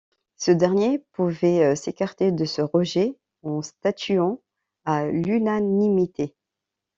Ce dernier pouvait s'écarter de ce rejet en statuant à l'unanimité.